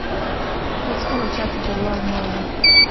هیڅکله چاته درواغ مه وایه